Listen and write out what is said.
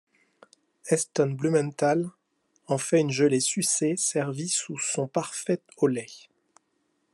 Heston Blumenthal en fait une gelée sucée servie sous son parfait au lait.